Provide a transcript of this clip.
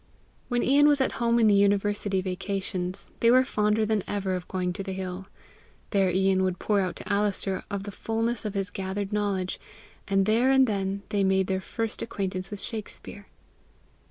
When Ian was at home in the university vacations, they were fonder than ever of going to the hill. There Ian would pour out to Alister of the fullness of his gathered knowledge, and there and then they made their first acquaintance with Shakspere.